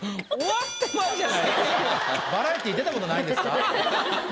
バラエティー出たことないんですか？